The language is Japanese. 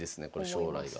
将来が。